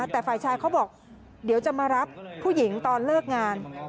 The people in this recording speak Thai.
แต่ฝ่ายชายเขาบอกเดี๋ยวจะมารับผู้หญิงตอนเลิกงาน